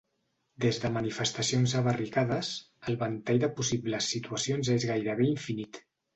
Des de manifestacions a barricades, el ventall de possibles situacions és gairebé infinit.